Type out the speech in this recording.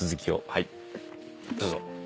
はいどうぞ。